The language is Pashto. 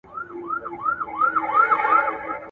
هغه څوک چي مرسته کوي مهربان وي؟